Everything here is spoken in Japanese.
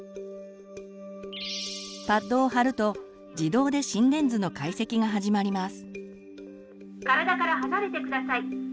パッドを貼ると自動で心電図の解析が始まります。